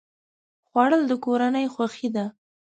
خوړل د کورنۍ خوښي ده